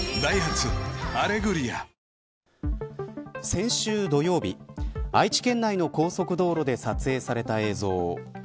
先週土曜日愛知県内の高速道路で撮影された映像。